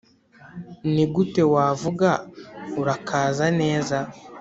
nigute wavuga, "urakaza neza?"